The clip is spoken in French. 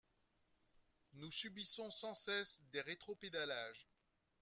Nous subissons sans cesse des rétropédalages.